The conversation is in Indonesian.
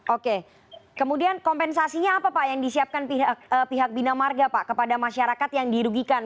oke kemudian kompensasinya apa pak yang disiapkan pihak bina marga pak kepada masyarakat yang dirugikan